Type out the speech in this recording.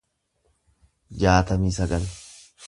jaatamii sagal